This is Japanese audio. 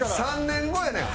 ３年後やねん。